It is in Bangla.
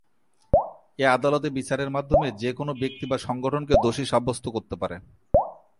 এ আদালতে বিচারের মাধ্যমে যে কোনো ব্যক্তি বা সংগঠনকে দোষী সাব্যস্ত করতে পারে।